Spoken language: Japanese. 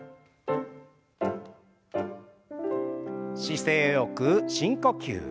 姿勢よく深呼吸。